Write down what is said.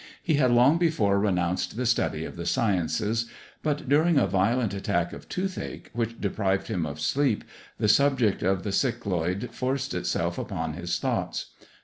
He had long before renounced the study of the sciences; but during a violent attack of toothache, which deprived him of sleep, the subject of the cycloid forced itself upon his thoughts.